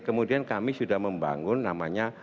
kemudian kami sudah membangun namanya